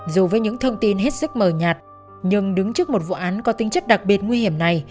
dù với những thông tin hết sức mờ nhạt nhưng đứng trước một vụ án có tính chất đặc biệt nguy hiểm này